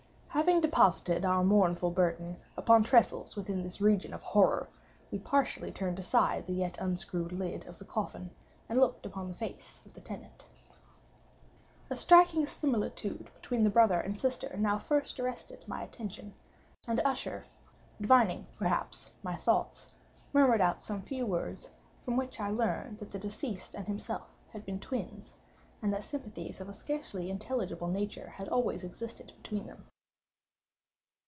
Having deposited our mournful burden upon tressels within this region of horror, we partially turned aside the yet unscrewed lid of the coffin, and looked upon the face of the tenant. A striking similitude between the brother and sister now first arrested my attention; and Usher, divining, perhaps, my thoughts, murmured out some few words from which I learned that the deceased and himself had been twins, and that sympathies of a scarcely intelligible nature had always existed between them.